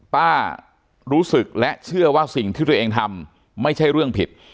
ป้ารู้สึกและเชื่อว่าสิ่งที่ตัวเองทำไม่ใช่เรื่องผิด